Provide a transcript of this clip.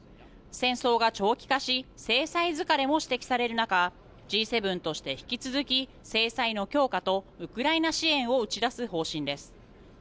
戦争が長期化し制裁疲れも指摘される中Ｇ７として引き続き制裁の強化とウクライナ支援を打ち出す方針です。